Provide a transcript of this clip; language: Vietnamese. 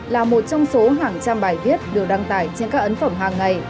là một trong số hàng trăm bài viết được đăng tải trên các ấn phẩm hàng ngày